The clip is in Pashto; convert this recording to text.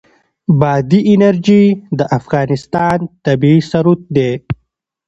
بادي انرژي د افغانستان طبعي ثروت دی.